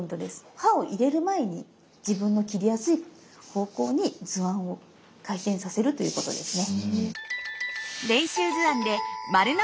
刃を入れる前に自分の切りやすい方向に図案を回転させるということですね。